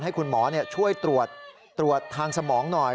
ให้คุณหมอช่วยตรวจทางสมองหน่อย